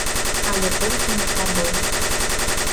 Але толькі не слабой.